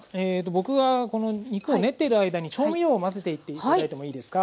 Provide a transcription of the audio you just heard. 僕がこの肉を練っている間に調味料を混ぜていって頂いてもいいですか？